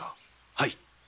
はい。